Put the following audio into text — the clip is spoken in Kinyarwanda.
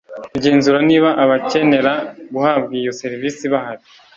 kugenzura niba abakenera guhabwa iyo serivise bahari